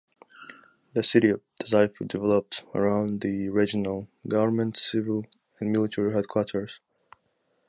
The city of Dazaifu developed around the regional government civil and military headquarters.